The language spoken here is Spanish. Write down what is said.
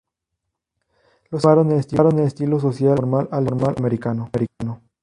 Los ingleses llamaron estilo social más informal al estilo americano.